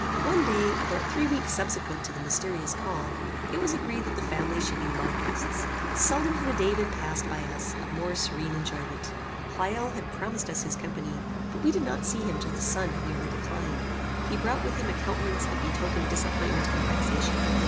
One day, about three weeks subsequent to the mysterious call, it was agreed that the family should be my guests. Seldom had a day been passed by us, of more serene enjoyment. Pleyel had promised us his company, but we did not see him till the sun had nearly declined. He brought with him a countenance that betokened disappointment and vexation.